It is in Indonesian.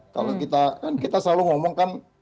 kalau kita kan kita selalu ngomongkan